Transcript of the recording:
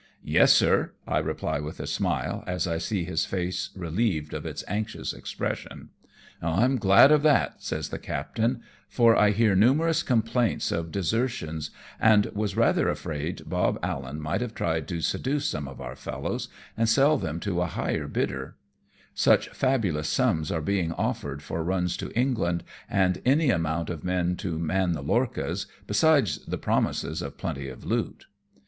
"Yes, sir," I reply with a smile, as I see his face relieved of its anxious expression. " I am glad of that," says the captain, " for I hear 250 AMONG TYPHOONS AND PIRATE CRAFT. numerous complaints of desertions, and was rather afraid Bob Allen might have tried to seduce some of our fellows, and sell them to a higher bidder ; such fabulous sums are being offered for runs to England, and any amount for men to man the lorchas, besides the promises of plenty of loot."